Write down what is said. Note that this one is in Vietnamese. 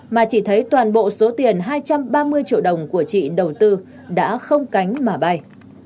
mà chỉ thấy toàn bộ số tiền hai trăm ba mươi triệu đồng của chị đầu tư đã không cánh mà bay